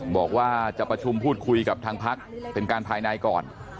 บอกว่าจะประชุมพูดคุยกับทางพักเป็นการภายในก่อน